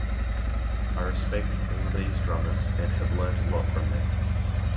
I respect all these drummers and have learnt a lot from them.